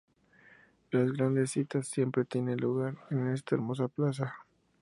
Las grandes citas siempre tienen lugar en esta hermosa plaza.